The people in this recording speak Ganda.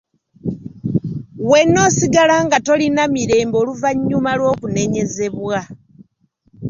Wenna osigala nga tolina mirembe oluvannyuma lw'okunenyezebwa.